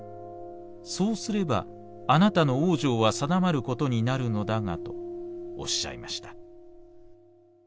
そうすればあなたの往生は定まることになるのだが』とおっしゃいました」。